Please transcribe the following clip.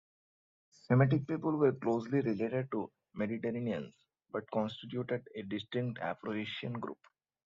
Semitic people were closely related to Mediterraneans but constituted a distinct "Afroasian" group.